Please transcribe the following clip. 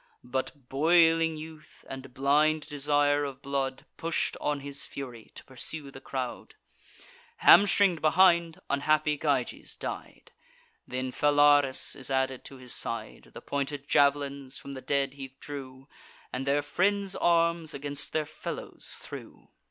But boiling youth, and blind desire of blood, Push'd on his fury, to pursue the crowd. Hamstring'd behind, unhappy Gyges died; Then Phalaris is added to his side. The pointed jav'lins from the dead he drew, And their friends' arms against their fellows threw.